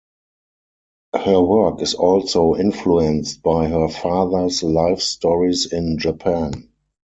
Her work is also influenced by her father's life stories in Japan.